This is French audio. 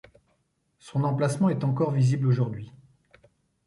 Son emplacement est encore visible aujourd'hui.